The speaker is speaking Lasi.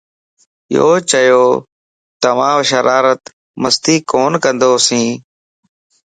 يوچو توآن شرارت / مستي ڪون ڪندوس